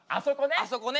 あそこね。